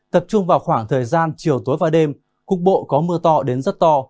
tập trung vào khoảng thời gian chiều tối và đêm cục bộ có mưa to đến rất to